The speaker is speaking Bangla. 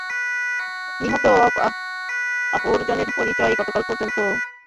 নিহত অপরজনের পরিচয় গতকাল পর্যন্ত বের করতে পারেনি আইনশৃঙ্খলা রক্ষাকারী বাহিনী।